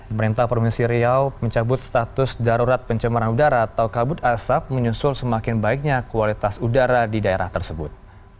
pemerintah provinsi riau mencabut status darurat pencemaran udara atau kabut asap menyusul semakin baiknya kualitas udara di daerah tersebut